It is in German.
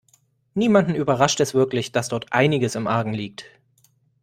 Niemanden überrascht es wirklich, dass dort einiges im Argen liegt.